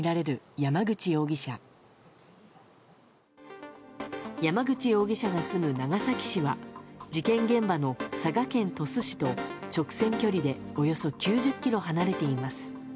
山口容疑者が住む長崎市は事件現場の佐賀県鳥栖市と直線距離でおよそ９０ｋｍ離れています。